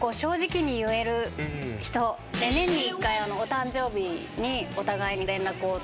年に１回お誕生日にお互いに連絡を。